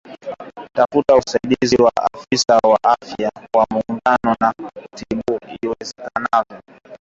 Tafuta usaidizi wa Afisa wa Afya ya Mifugo na kutibu ugonjwa huo haraka iwezekanavyo